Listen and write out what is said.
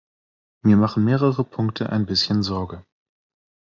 Mir machen mehrere Punkte ein bisschen Sorge.